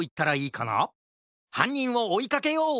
はんにんをおいかけよう！